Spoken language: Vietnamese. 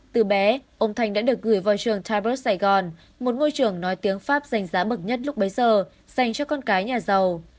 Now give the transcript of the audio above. từ bé ông thành đã được gửi vào trường taberg sài gòn một ngôi trường nói tiếng pháp giành giá bậc nhất lúc bấy giờ dành cho con cái nhà giàu